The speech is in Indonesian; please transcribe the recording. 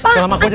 sel sama gua ya